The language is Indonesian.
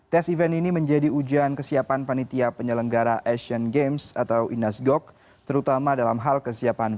tes event ini menjadi ujian kesiapan panitia penyelenggara asian games atau inasgog terutama dalam hal kesiapan